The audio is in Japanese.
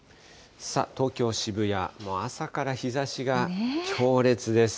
東京・渋谷、もう朝から日ざしが強烈です。